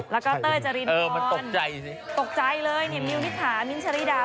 แล้วก็เต้อเจรินพรตกใจเลยเนี่ยมิวนิขามิ้นเจริดา